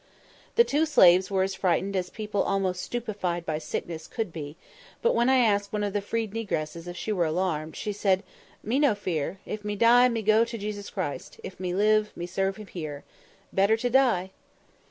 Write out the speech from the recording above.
The two slaves were as frightened as people almost stupified by sickness could be; but when I asked one of the freed negresses if she were alarmed, she said, "Me no fear; if me die, me go to Jesus Christ; if me live, me serve him here _better to die!